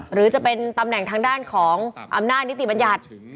หรือจะเป็นตำแหน่งทางด้านของอำนาจนิติบัญญัติ